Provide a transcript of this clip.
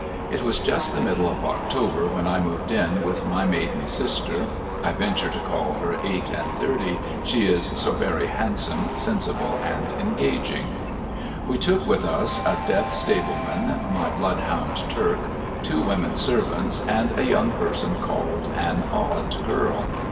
It was just the middle of October when I moved in with my maiden sister (I venture to call her eight and thirty, she is so very iiandsome, sensible, and engaging). We took with us, a deaf stable man, my bloodhound Turk, two women servants, and a young j)erson called an Odd Girl.